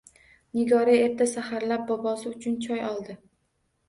Nigora erta-saxarlab bobosi uchun choy oldi.